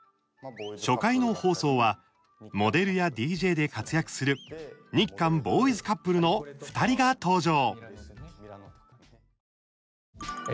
初回の放送はモデルやＤＪで活躍する日韓ボーイズカップルの２人が登場。